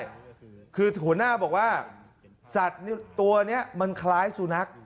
กลางคืนได้คือหัวหน้าบอกว่าสัตว์ตัวเนี้ยมันคล้ายสู่นัก